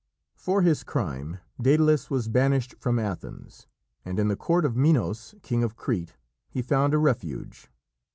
For his crime Dædalus was banished from Athens, and in the court of Minos, king of Crete, he found a refuge.